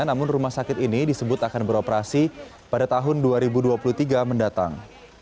namun rumah sakit ini disebut akan beroperasi pada tahun dua ribu dua puluh tiga mendatang